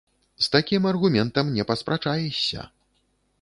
З такім аргументам не паспрачаешся.